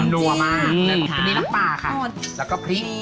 เห็นมือน้ำปลาค่ะแล้วก็พริบ